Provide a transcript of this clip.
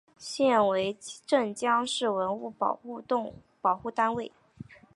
现为镇江市文物保护单位。